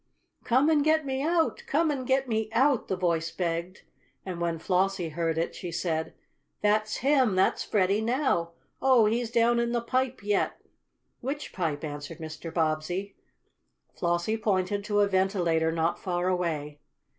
"Come and get me out! Come and get me out!" the voice begged, and when Flossie heard it she said: "That's him! That's Freddie now. Oh, he's down in the pipe yet!" "Which pipe?" asked Mr. Bobbsey. Flossie pointed to a ventilator not far away.